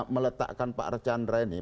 meletakkan pak archandra ini